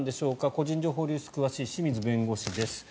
個人情報流出に詳しい清水弁護士です。